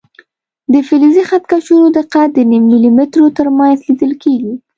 د فلزي خط کشونو دقت د نیم ملي مترو تر منځ لیدل کېږي.